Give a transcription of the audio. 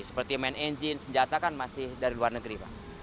seperti main engine senjata kan masih dari luar negeri pak